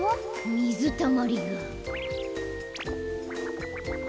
みずたまりが。